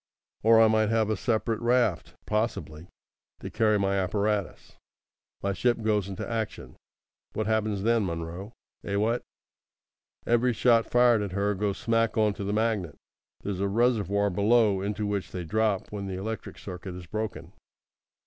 Or I might have a separate raft, possibly, to carry my apparatus. My ship goes into action. What happens then, Munro? Eh, what! Every shot fired at her goes smack on to the magnet. There's a reservoir below into which they drop when the electric circuit is broken.